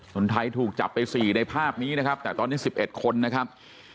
คนไทยถูกจับไป๔ในภาพนี้นะครับแต่ตอนนี้๑๑คนนะครับ